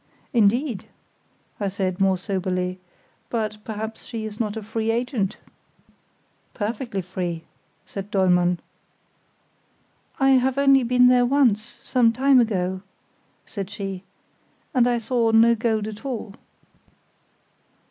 "Indeed?" I said, more soberly, "but perhaps she is not a free agent." "Perfectly free!" said Dollmann. "I have only been there once, some time ago," said she, "and I saw no gold at all."